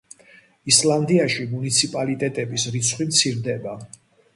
ისლანდიაში მუნიციპალიტეტების რიცხვი მცირდება.